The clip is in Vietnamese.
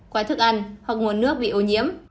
qua thức ăn hoặc nguồn nước bị ô nhiễm